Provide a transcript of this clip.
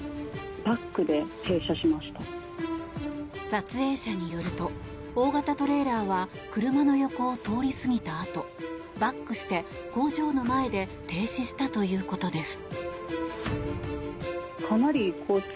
撮影者によると大型トレーラーは車の横を通り過ぎたあとバックして工場の前で停止したということです。